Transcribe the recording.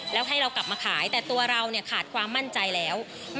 แล้วให้เรากลับมาขายแต่ตัวเราขาดความมั่นใจแล้ว